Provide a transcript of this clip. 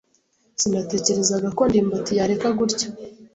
Sinatekerezaga ko ndimbati yareka gutya.